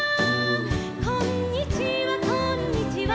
「こんにちはこんにちは」